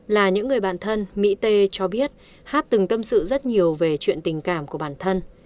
là những người bạn thân mỹ tê cho biết hát từng tâm sự rất nhiều về chuyện tình cảm của bản thân